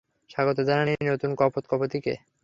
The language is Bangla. স্বাগত জানান এই নতুন কপোত কপোতীকে!